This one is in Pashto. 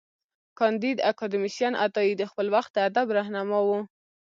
کانديد اکاډميسن عطايي د خپل وخت د ادب رهنما و.